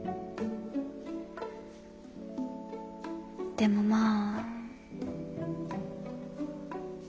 でもまあ。